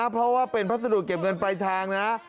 พัสดุเก็บเงินปลายทางนะฮะ